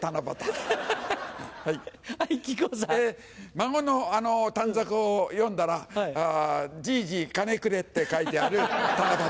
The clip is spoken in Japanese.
孫の短冊を読んだら「じぃじ金くれ」って書いてある七夕。